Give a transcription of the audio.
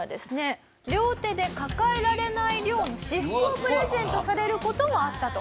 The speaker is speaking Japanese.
両手で抱えられない量の私服をプレゼントされる事もあったと。